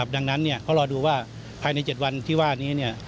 ดังนั้นเขารอดูว่าภายใน๗วันที่ว่านี้